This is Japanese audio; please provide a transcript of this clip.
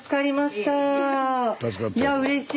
いやうれしい。